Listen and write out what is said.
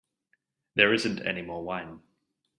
There isn't any more wine.